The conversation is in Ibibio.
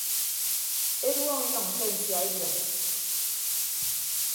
Eduọñọ inʌñ ke nsia ebiọñ.